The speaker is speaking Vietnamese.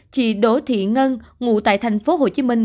chị đỗ thị ngân ngủ tại thành phố hồ chí minh